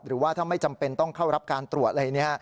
หรือว่าถ้าไม่จำเป็นต้องเข้ารับการตรวจอะไร